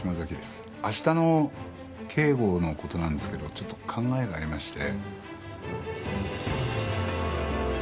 明日の警護の事なんですけどちょっと考えがありまして。